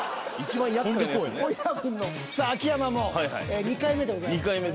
さあ秋山も２回目でございますね。